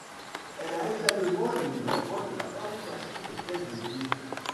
Elle a également le monopole de la fabrication des pièces et billets.